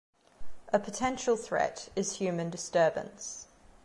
A potential threat is human disturbance.